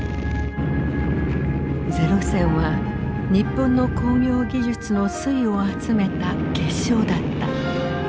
零戦は日本の工業技術の粋を集めた結晶だった。